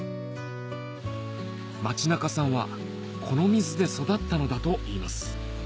町中さんはこの水で育ったのだといいます